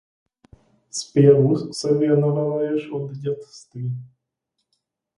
Zpěvu se věnovala již od dětství.